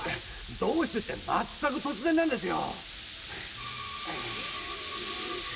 どうしてってまったく突然なんですよ。